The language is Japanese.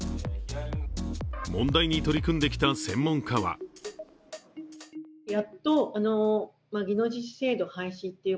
問題に取り組んできた専門家はおや？